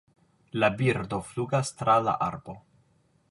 La birdo flugas tra la arbo